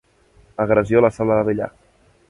Agressió a la sala de billar.